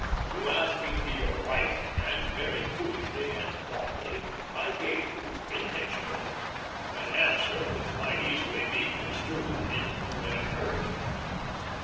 You asked me to be your wife, and, very foolishly and wrongly, I gave you intentionally an answer which might easily be construed into an encouragement.